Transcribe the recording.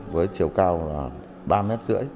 với chiều cao ba m ba mươi